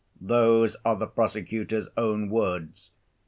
Those are the prosecutor's own words.